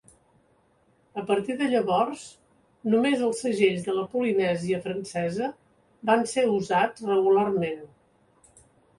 A partir de llavors només els segells de la Polinèsia Francesa van ser usats regularment.